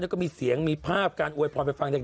นี่ก็มีเสียงมีภาพการอวยพรไปฟัง